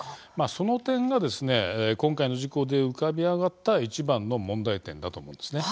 その点が今回の事故で浮かび上がったいちばんの問題点だと思うんです。